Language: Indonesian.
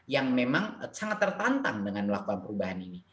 yang memang sangat tertantang dengan melakukan perubahan ini